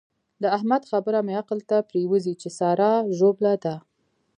د احمد خبره مې عقل ته پرېوزي چې سارا ژوبله ده.